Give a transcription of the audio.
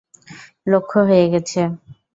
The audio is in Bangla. লক্ষ হয়ে গেছে।